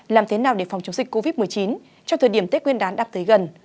làm thế nào để phòng chống dịch covid một mươi chín trong thời điểm tết nguyên đán đang tới gần